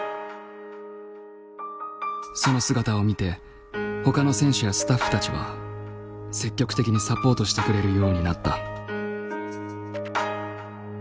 その姿を見てほかの選手やスタッフたちは積極的にサポートしてくれるようになった。